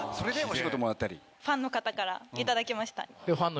ファンの方から頂きました。